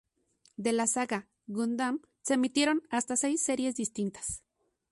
De la saga "Gundam" se emitieron hasta seis series distintas.